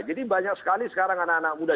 jadi banyak sekali sekarang anak anak muda